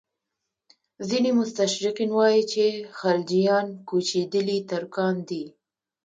ځینې مستشرقین وایي چې خلجیان کوچېدلي ترکان دي.